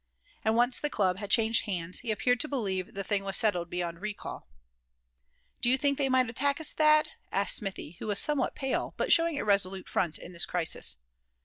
And once the club had changed hands he appeared to believe the thing was settled beyond recall. "Do you think they might attack us, Thad?" asked Smithy, who was somewhat pale, but showing a resolute front in this crisis.